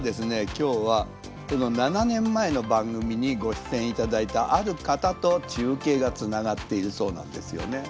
今日はこの７年前の番組にご出演頂いたある方と中継がつながっているそうなんですよね。